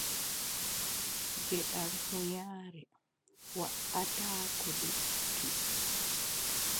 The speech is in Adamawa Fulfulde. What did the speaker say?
Geɗal hunyaare waʼataako lekki.